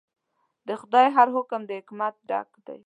د خدای هر حکم د حکمت ډک دی.